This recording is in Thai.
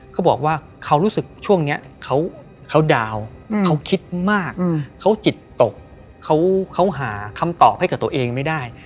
เขาบอกว่าเขารู้สึกช่วงนี้เขาดาวน์เขาคิดมากเขาจิตตกเขาหาคำตอบให้กับตัวเองไม่ได้